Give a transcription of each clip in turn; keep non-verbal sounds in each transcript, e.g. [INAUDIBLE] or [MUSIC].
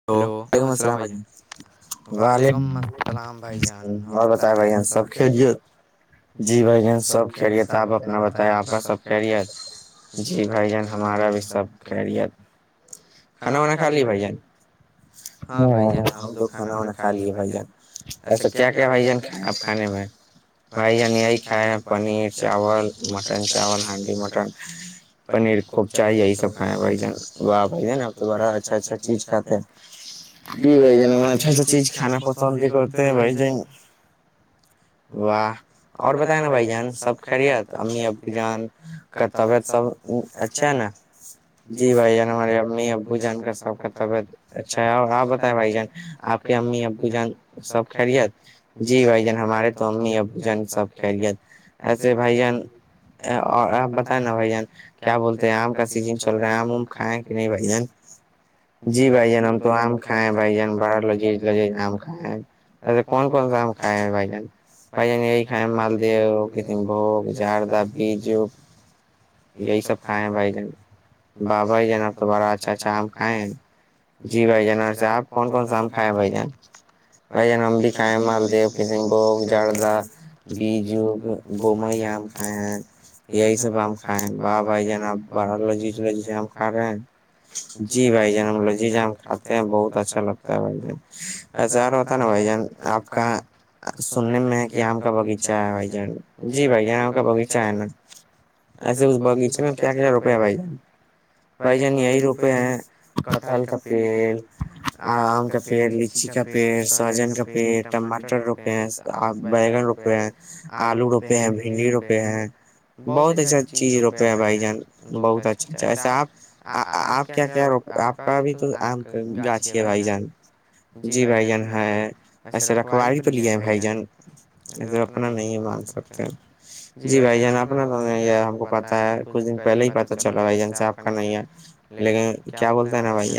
ہی وعلیکم السلامم وعلیکم اور بتائےیں بھائیان سب [INAUDIBLE] کلے جی بھ جن سب کھیلے ت آپ اپنا بتائی آپ کا سب کل [UNINTELLIGIBLE] جی بھائی جان ہمارا بھی سب کہری کھانا وانا کھا لی بھ جان ہ ہم تو کانا وا خالی ہو جان [UNINTELLIGIBLE] ایسا کیا کیا بھائی جان کھیں آپ کھانے میں بھائی ج نے یہی کھائے ہیں پنیر چاول مٹن چاول ہانڈی مٹن [UNINTELLIGIBLE] پنیر کوبچاہ یہی سب کائے تو بڑا اچھا اچھا چیز کھاتے ہیں جی بھائی جان ہمیں اچھا اچھا چیز کھانا پسند ہی کرتے ہیں بھائی جان وا اور بتائ ن بھ جان سب خ رہیت امی اب جان [UNINTELLIGIBLE] کا طبیعت سب اچھا ہے نا جی بھائی ہماراری امی ابو جان کا سب کا طبیعت اچھا آپ بتیں بھائی جان آپ کے امی ابو جان سب خھلت [UNINTELLIGIBLE] جی بھ جن ہمارے تو امی ابو جن سب کھیلیا ایسے بھ جن [UNINTELLIGIBLE] اور آپ بتائیں نا بھ جان کیا بولتے ہیں آم کا سیزن چل رہا ہے آم ام کھائےیں کہ نہیں بھ جان [UNINTELLIGIBLE] جی بھائی جان ہم تو آم کھائیں ہیں بھائی جان باہر لوجی لوجی آم کھائیں ایسے کون کون س آ ہم کائے ہیں بھائی جن پائی جانی یہی کائے مالدہ ہو کتن بھگ جردہ بیجو [INAUDIBLE] یہی سب کھائےیں ہیں بھائی جان بااباھائی جان ا تو بڑا اچھا اچھا آ ہم کھائےیں ہیں [UNINTELLIGIBLE] جی بھائی جان سے آپ کون کون س ہم کھائے ہیں بھ جان بھ جان ہم بھی کائیں مالدیو کسیم بوگ جردہ [UNINTELLIGIBLE] بیجو بئی آم کھائے ہیں یہی سب آم کھ [INAUDIBLE] بھائی جنا باہر جی ل جی کا رہے جی بھائی جن ل ج [INAUDIBLE] جی جاں ہم کھاتے ہیں بہت اچھا لگتا ہے بھائی ج ایسار ہوتا ہے نا بھائی جان آپ کا سننے میں ہے کہ آم کا باغیچہ ہے بھائی جان جی بھائی جان آم کا باغیچہ ہے نا ایسے اس بایچے میں کیا کیا روپ ہے بھائی جان بھائی جان یہی روپئے ہیں کٹ کٹہل کا پیڑ آم کا پیڑ لچی کا پیڑ سہجن کا پیڑ ٹماٹر روپ [UNINTELLIGIBLE] رپ بیگن روپے ہیں آلو روپے ہیں بھنڈی روپے ہیں بہت اچھا چیز روپے ہیں بھائی جان بہت اچھا اچھا ایسا آپ آپ کیا کیا ر آپ کابھی تو آم کا گاچھی ہے بھائی جان جی بھائی جان ہے ایسے رکھوال پہ لیا ہے بھائی جان اپنا نہیں ہے مان سک جی بھائی نا اپنا تو ہم کو پتا ہے کچھ دن پہلے ہی پتا چلاو بھائی جن سے آپ کا نہیں ہے لیکن کیا بولتے اانا بھائی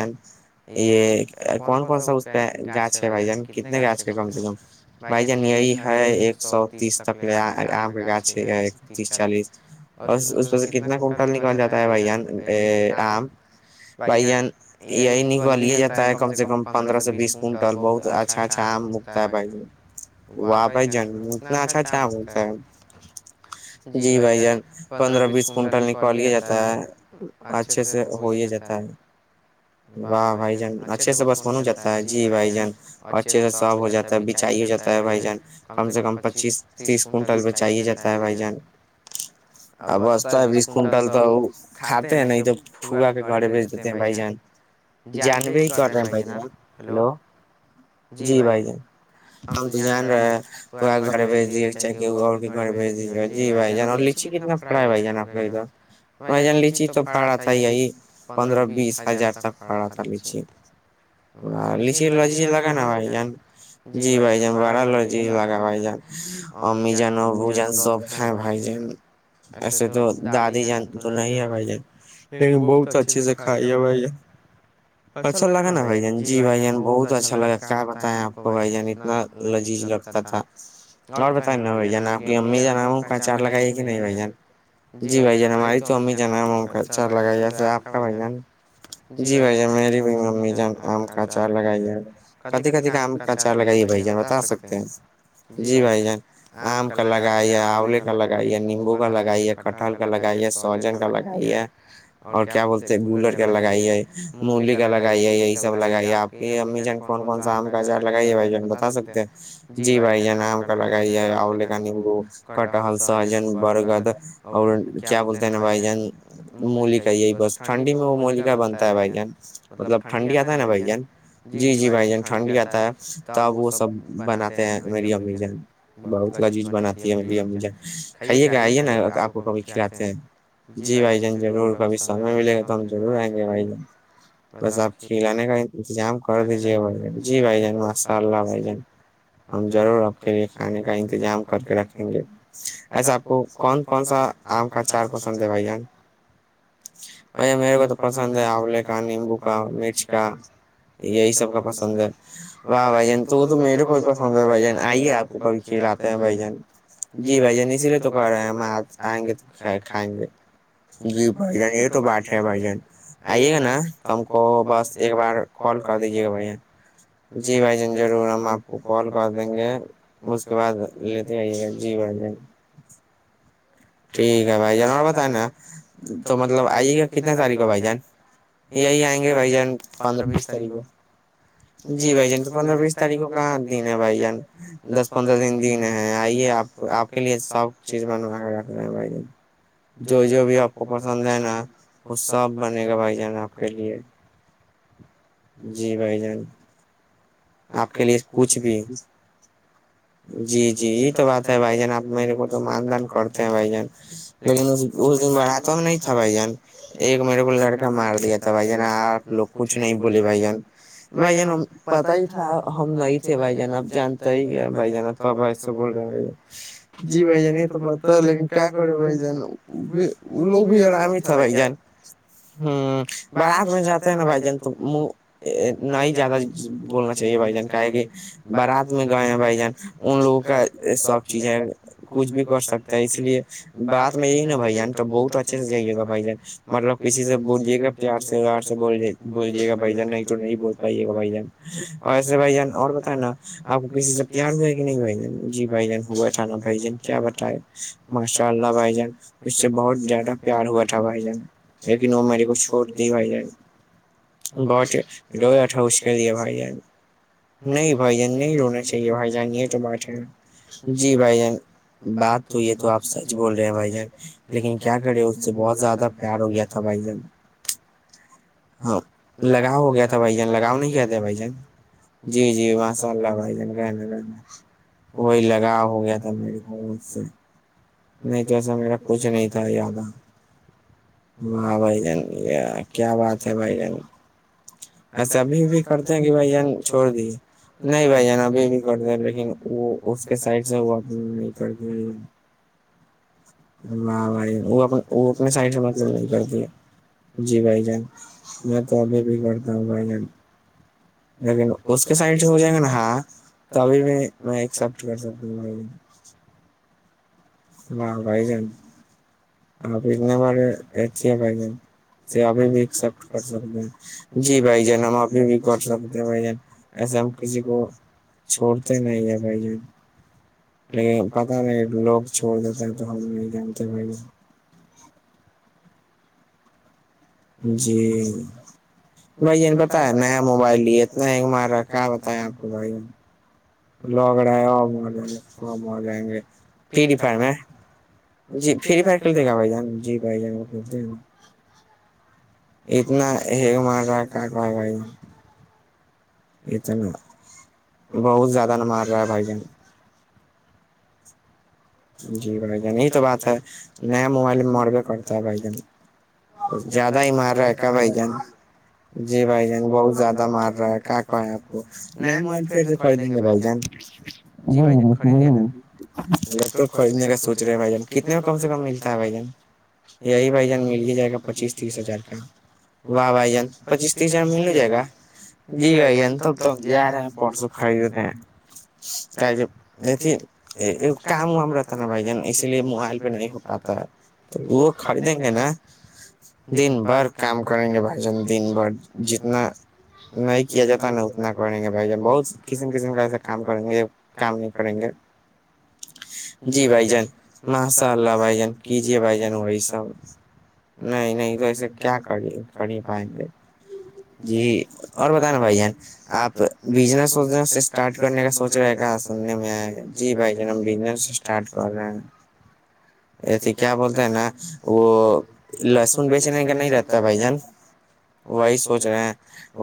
یہ کون کون سا اس پہ گاچھ ہے بھائی جان کتنے گاچ کے کم سے کم بھائی جان یہی ہے ایک سو تیس تک لے آم کے گاچ ایک سو تیس چالیس اور اس پ سے کتنا کنٹل نکل جاتا ہے بھائیان آم بھائیین یہی نکالیا جاتا ہے کم سے کم پندرہ سے ب بیس کنٹل بہت اچھا اچھا آم بھائی و بھائی جن اتنا اچھا اچھا جی بھائی جان پندرہ بیس کنٹل نکالیا جاتا ہے اچھے سے ہویا جاتا ہے واہ بھائی جان اچھے سے بسپن جاتا ہے جی بھائی جان اچھے سے سب ہو جاتا ہےچ چاہیے جاتا ہے بھائی جان کم سے کم پچیس تیس کونٹل میں چاہیے جاتا ہے بھائی جان ہ [INAUDIBLE] ا بستا ہے بیس کنٹل تو وہ کاتے ہیں نہیں تو پوکا کے گھر بھیج دیتے ہیں بھائی جان جانبے ہیٹ رہے ہیں بھائی جان آپ ہلو جی بھائی جان ہم تو جان رہے ہیں تو آ گھر بھیج دیے چاہ کہ اور کے گ بھیج دیج جی بھائی جان لیچیے کتنا کڑائی بھ جان آ ل تو بھائی جان لیچی تو فڑا تھاائی ہےئی پندرہ بیس ہزار تک فڑا تھاا لچی لچی لچی لگا نہا بائی جان جی بائی جان بڑا ل جیز لگا بائی جان امی جان ابو جان سب ہاں بائی جین ایسے تو دادی جان تو نہیں ہے بھائی جان لیکن بہت اچھے سے کھائیے بھائی ہے اچھا لگا نا بھائی جان جی بھائی جان بہت اچھا لگا کیا بتائیں آپ کو بھائی جان اتنا لذیذ لگا لتا تھا اور بت نا بھ جان آپ کی امی ج نام کہ چار لگائیے کہ نہیں بھ جان جی بھائی جان ہماری تو امی جاناچا لگائی جیسے آپ کا بھائی جان جی بھائی ج میری بھی ممی ج ہم آم کا اچار لگائی ہے کدھی کدھی کا آم کا چار لگائیے بھائی جان بتا سکتے ہیں جی بھائی جان آم کا لگائیے آنوولے کا لگائیے نیمبو کا لگائیے کٹہل کا لگائیے سوہجن کا لگائیے اور کیا بولتے ہیں گولر کا لگائیے ملی کا لگائی ہے یہی سب لگائی ہے آپ کی امی جن کون کون سا آم کا اچار لگائی ہے بھائی جان بتا سکتے ہیں جی بھائی جانم کا لگائییا اور لے کا نمبو کٹہل سہجن برگد اور کیا بولتے ہیں نا بھائی جان مول کاا یہی بس ٹھنڈی میں وہ مول کاا بن ہے بھائی جان مطلب ٹھنڈی آتا ہے نا بھائی جان جی جی بھائی جان ٹھنڈی آتا ہے تو اب وہ سب بناتے ہیں میری امی بہت لجیز بناتی ہے میرے لیے ا مجھے کھائیے کہ آئیے نا آپ کو کبھی کھلاتے ہیں جی بھائی جان ضرور کبھیش سام میں ملے گا تو ہم ضرور آئیں گے بھائی ج جابپ کھیل نے انتظام کر دیجیے بھ ج جی بھائی جان ماشاء اللہ بھائی جان ہم ضرور آپ کے لیے کھانے کا انتظام کر کے رکھیں گے ایسا آپ کو کون کون سا آم کا چار پسند ہے بھائی جان بھیا میرے کو تو پسند ہے آوولے کا نیمبو کا مرچ کا یہی سب کا پسند ہے واہ بھائی جان تو وہ تو میرے کو ہی پسند ہے بھائی جان آئیے آپ کو کبھی کھیلااتا ہیں بھ جن جی بھ جان اسی لیے تو کہ رہے ہیں ہم آئیں گے تو کھائیں گے جی بھجن یہ تو بات ہے بھجان آئیے گا نا تو ہم کو بس ایک بار کال کر دیجیے گا بھیاں جی بھائی جان ضرور ہم آپ کو کال کر دیں گے اس کے بعد اے تو آئی گ جی ب ج [UNINTELLIGIBLE] ٹھیک ہے بھائی جان اور بت نا تو مطلب آئیے گا کتنے تاریخ ہے بھائی جان یہی آئیں گے بھائی جان پندرہ بیس تاریخ کو جی بھائی جان تو پندرہ بیس تاریخوں کااں دن ہے بھائی جان دس پندرہ دن دن ہے آئیے آپ تو آپ کے لیے سب چیز منو کے رکھ رہے ہیں بھائی جو جو بھی آپ کو پسند ہے نا وہ سب بنے گا بھائی جان آپ کے لیے جی بھائی جان آپ کے لیے کچھ بھی جی جی یہی تو بات ہے بھائی جان آپ میرے کو تو مان دان کرتے ہیں بھائی جان لیکن اس اس دن بڑھا توب نہیں تھا بھائی جان ایک میرے کو لڑکا مار دیا تھا بھائی جان آپ لوگ کچھ نہیں بولے بھائی جان بھائی جان پتا [UNINTELLIGIBLE] تھا ہم نہیں تھے بھائی جانا اب جانتا ہی کیا بھائی جانا توب ایسے بول رہے ہیں بھائی جان جی بھ جان یہ تو پتا لیکن کیا کرے بھ جان بھی وہ لوگ بھی آرام ہی تھا بھائی جان ہ بارات میں جاتے ہیں نا بھائی جان تو من نہ ہی زیادہ بولنا چاہ بھ جان کا کہ بارات میں گئے ہیں بھ جان ان لوگوں کا سب چیز ہے کچھ بھی کر سکتا اس لیے بات میں یہی نا بھ جان تو بہت اچھے سے جیے گا بھائی جان مطلب کسی سے بولیے گا پیار سے ویار سے ب بلیے گا بھائی جان نہیں تو نہیں بول پائیے گا بھائی جان [INAUDIBLE] اور ایسے بھائی جان اور بتائے نا آپ کو کسی سے پیار ہوئے کہ نہیں بھائی جان جی بھائی جان ہوا ا تھا نا بھائی جان کیا بتائے ماشاء اللہ بھائی جان اس سے بہت زیادہ پیار ہوا تھا بھائی جان لیکن وہ میرے کو چھوڑ دی بائی جائے بہت ر تھا اس کے لیے بھائی جان نہیں بھائی جان نہیں رونا چاہیے بھائی جان یہ تو بات ہے جی بھائی جان بات تو یہ تو آپ سچ بول رہے ہیں بھائی جان لیکن کیا کریں اس سے بہت زیادہ تیار ہو گیا تھا بھائی جن ہاں لگاؤ ہو گیا تھا بھائی جان لگاؤ نہیں کہتےے بھ جان جی جی ماشاء اللہ بھائی جان کہنا کہنا وہی لگاؤ ہو گیا تھا میر سے نہیں تو ایسا میرا کچھ نہیں تھا یادہ ہاں بھائی جن یہ کیا بات ہے بھائی جن ایسے ابھی بھی کرتے ہیں کہ بھائی چھوڑ دیے نہیں بھائی جان ابھی بھی کرتے لیکن وہ اس کے سائڈ سے وہ نہیں کرتے واہ بھائی وہ وہ اپنے سائڈ سے مطلب نہیں کرتی جی بھائی جان میں تو ابھی بھی کرتا ہوں بھائی جان لیکن اس کے سائڈ سے ہو جائیں گے نا ہاں تبھی میں میں ایکسپٹ کر سکتا ہوں ہ بائی گن آ پنے مار رچ بائی گن ابھی بھی ایکسپٹ کر سکتے ہیں جی بھائی جان ہم ابھی بھی کر سکتے ہیں بھائی جان ایسے ہم کسی کو چھوڑتے نہیں ہیں بھائی جان لیکن پتا نہیں لوگ چھوڑ دیتے ہیں تو ہم نہیں جانتے بھ [INAUDIBLE] جی بھ نے پتا ہے نیا موبائل ل اتنا مار رہا ہے کیا بتایا آپ کو بھائی لوگڑا ہے اور جائ گے وہ ہو جائیں گے پیریفائی میں جی فری فائر کھیلتے گا بائی جان جی بھائی جان ج اتنا ہی مار رہا ہے کاٹ رہا بھائی ات بہت زیادہ ن مار رہا ہے بھائی جان جی بھائی جان یہی تو بات ہے نیا موبائل مروے کرتا ہے بھائی جان زیادہ ہی مار رہ ہے کا بھائی جان جی بھائی جان بہت زیادہ مار رہا ہے کہ کہ ہے آپ کو ل م پھر سے خریدیں گے بھائی جان ہوں ہوں خریدنے کا سوچ رہے ہیں بھائی جان کتنے میں کم سے کم ملتا ہے بھائی جان یہی بھائی جان مل ہی جائے گا پچیس تیس ہزار کا واہ بھائی جان پچیس تیس ہزار میں مل ہو جائے گا جی ا تو تو جیا رہ ہے پرسوں خرید ت یہھی کام ہم نا بھائی جان اسی لیے موبائل پہ نہیں ہو پاتا ہے تو وہ خریدیں گے نا دن بھر کام کریں گے بھائی جان دن بھر جتنا نہیں کیا جاتا نہیں اتنا کریں گے بھائی ج ہم بہت کسم قسم کا ایسا کام کریں گے کام نہیں کریں گے جی بھ جان ماشاء اللہ بھائی جان کیجیے بھائی جان وہی سب نہیں نہیں تو ایسے کیا کری کر ہی پائیں گے جی اور بت نا بھائی جان آپ بزنس وزنسس اسٹارٹ کرنے کا سوچ رہے کیا سننے میں آئے جی بھائی جن ہم بزنس اسٹارٹ کر رہے ہیں اییسے کیا بولتے ہیں نا وہ لہسن بیچنے کا نہیں رہتا بھائی جان وہی سوچ رہے ہیں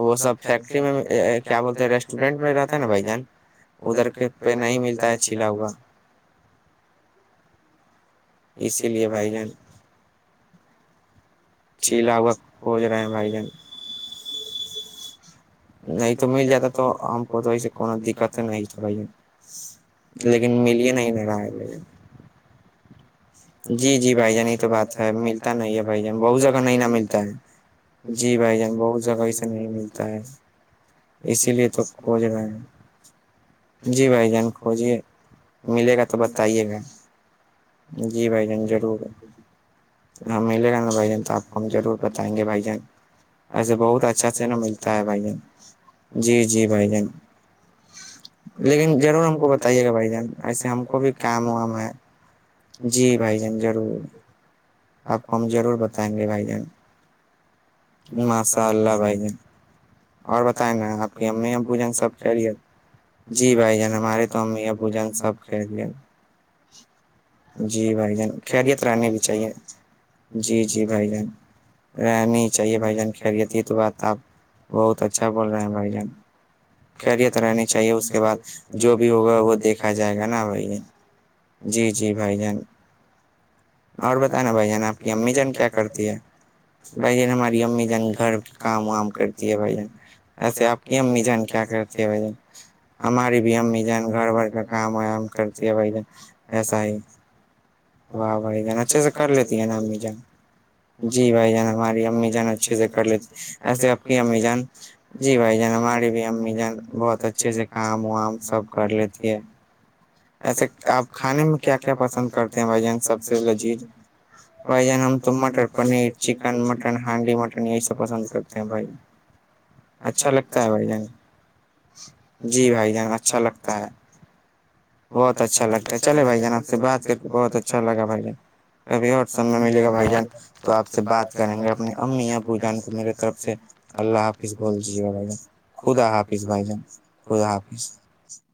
وہ سب فیکٹری میں کیا بولتے ہیں ریسٹورینٹ میں رہتا ہے نا بھائی جان ادھر کے پہ نہیں ملتا ہے چھیلا ہوا اسی لیے بھائی جان چھیلا ہوا کھج رہے ہیں بھائی جان نہیں تو مل جاتا تو ہم کو تو ایس کو دقت نہیں تھا بھائی لیکن مل ہی نہیں رہ رہا ہے بھایی جان جی جی بھائی جان یہ تو بات ہے ملتا نہیں ہے بھائی جان بہت جگہ نہیں نہ ملتا ہے جی بھائی جان بہت جگہ اسے نہیں ملتا ہے اسی لیے تو کھوج رہے ہیں جی بھائی جان کوجے ملے گا تو بتائیے گا جی بھائی جان ضرور ہاں ملے رہ گا بھائی جان تو آپ کو ہم ضرور بتائیں گے بھائی جان اییسے بہت اچھا سے نا ملتا ہے بھائی جان جی جی بھائی جان لیکن ضرور ہم کو بتائیے گا بھائی جان اییسے ہم کو بھی کام وام ہے جی بھائی جان ضرور آپ کو ہم ضرور بتائیں گے بھائی جان ماشاء اللہ بھایی جان اور بتائیں ن آپ کی امی ابو جان سب خیریت جی بھائی جان ہماری تو امی ابو جان سب خیریت جی بھائی جان خیریت رہنی بھی چاہیے جی جی بھائی جان رہنی ہی چاہیے بھائی جان خیریت یہ تو بات آپ بہت اچھا بول رہے ہیں بھائی جان کیریت رہنی چاہیے اس کے بعد جو بھی ہوگا وہ دیکھا جائے گا نا بھائیین جی جی جی بھائی جان اور بتانا بھائی جان آپ کی امی جان کیا کرتی ہے بھائی جن ہماری امی جن گھر پ کام وام کرتی ہے بھائی جن ایسے آپ کہ امی جان کیا کرتی ہے بھ جن ہماری بھی امی جان گھر بھر کے کام ہو ہم کرتی ہیں بھائی ج ایسا ہی واہ بھائی جانا اچھے سے کر لیتی ہے نام نہیں جانا جی بھائی جان ہماری امی جان اچھے سے کر لیتے ایسے آپ کی امی جان جی بھائی جان ہماری بھی امی جان بہت اچھے سے کام وام سب کر لیتی ہے ایسے آپ کھانے میں کیا کیا پسند کرتے ہیں بھائی جان سب سے لذیذ بھائی جان ہم تو مٹر پنیر چکن مٹن ہانڈی مٹن یہی سب پسند کرتے ہیں بھائی جان اچھا لگتا ہے بھائی جان جی بھائی جان اچھا لگتا ہے بہت اچھا لگتا ہے چلے بھائی جان آپ سے بات کر کے بہت اچھا لگ بھائی جان کبھی اور سمے ملے گا بھائی جان تو آپ سے بات کریں گے اپنی امی یا بو جان کو میرے طرف سے اللہ حافظ بولجیے گا بھائی جان خدا حافظ بھائی جان خدا حافظ